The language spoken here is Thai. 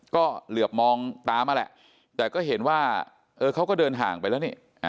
ก็เหลือบมองตามมาแหละแต่ก็เห็นว่าเขาก็เดินห่างไปแล้วนี่